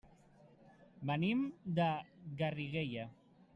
Venim de Garriguella.